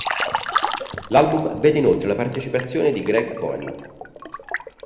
L'album vede inoltre la partecipazione di Greg Cohen.